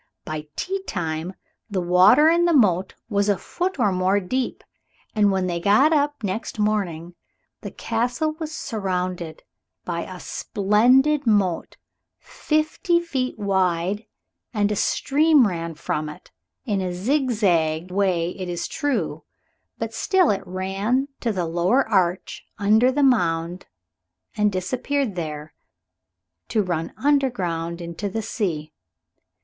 By tea time the water in the moat was a foot or more deep, and when they got up next morning the Castle was surrounded by a splendid moat fifty feet wide, and a stream ran from it, in a zigzag way it is true, but still it ran, to the lower arch under the mound, and disappeared there, to run underground into the sea.